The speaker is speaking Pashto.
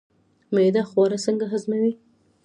معده خواړه څنګه هضموي